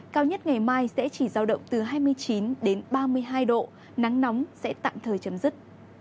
cao nhất ngày mai sẽ chỉ giao động từ hai mươi chín đến ba mươi hai độ nắng nóng sẽ tạm thời chấm dứt